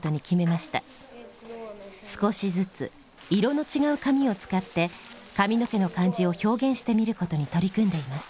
少しずつ色の違う紙を使って髪の毛の感じを表現してみることに取り組んでいます。